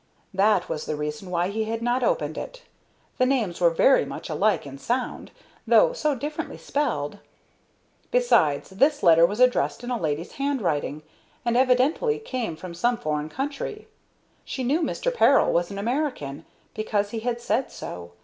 That was the reason why he had not opened it. The names were very much alike in sound, though so differently spelled. Besides, this letter was addressed in a lady's handwriting, and evidently came from some foreign country. She knew Mr. Peril was an American, because he had said so.